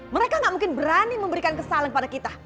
mereka gak mungkin berani memberikan kesalahan pada kita